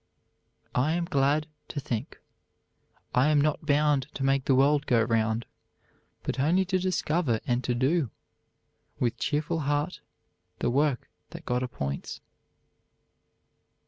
I am glad to think I am not bound to make the world go round; But only to discover and to do, With cheerful heart, the work that God appoints.